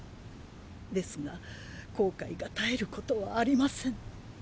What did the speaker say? ですが後悔が絶えることはありません。